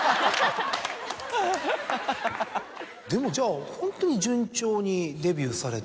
でもじゃあホントに順調にデビューされて。